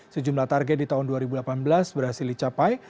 sejumlah target di tahun dua ribu delapan belas berhasil dicapai